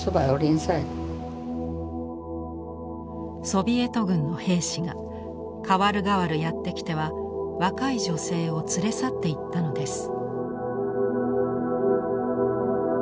ソビエト軍の兵士が代わる代わるやって来ては若い女性を連れ去っていったのです。